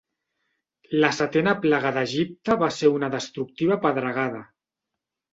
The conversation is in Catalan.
La setena plaga d'Egipte va ser una destructiva pedregada.